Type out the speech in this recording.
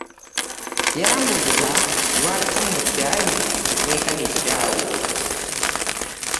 Yambuuza lwaki mmukyaye obwenkanidde awo.